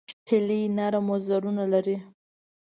هیلۍ نرم وزرونه لري